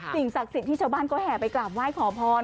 สิ่งศักดิ์สิทธิ์ที่ชาวบ้านก็แห่ไปกราบไหว้ขอพร